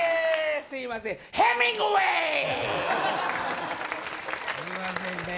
すみませんね